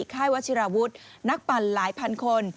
ค่ายวัชิราวุฒินักปั่นหลายพันคน